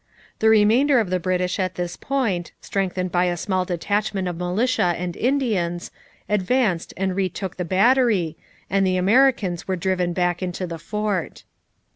The remainder of the British at this point, strengthened by a small detachment of militia and Indians, advanced and retook the battery, and the Americans were driven back into the fort.